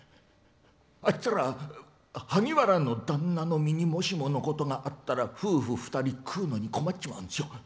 あいつら、萩原の旦那の身にもしものことがあったら夫婦２人食うのに困っちまうんですよ。